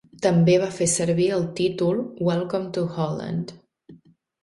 També va fer servir el títol "Welcome to Holland".